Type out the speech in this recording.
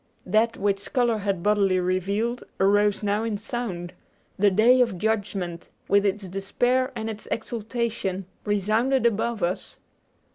That which color had bodily revealed arose now in sound; the day of judgment, with its despair and its exultation, resounded above us.